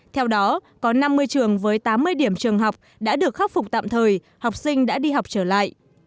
theo đó có năm mươi trường với tám mươi điểm trường học đã được khắc phục tạm thời học sinh đã đi học trở lại